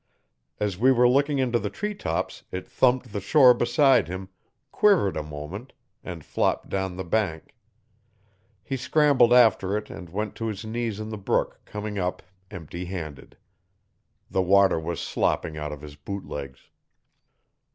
As we were looking into the treetops it thumped the shore beside him, quivered a moment and flopped down the bank He scrambled after it and went to his knees in the brook coming up empty handed. The water was slopping out of his boot legs.